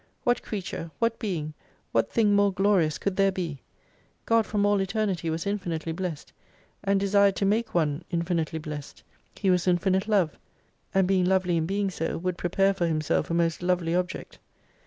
What creature, what being, what thing more glorious could there be ! God from all Eternity was infinitely blessed, and desired to make one infinitely blessed. He was infinite Love, and being lovely in being so, would pre pare for Himself a most lovely object.